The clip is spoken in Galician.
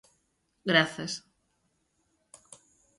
Grazas...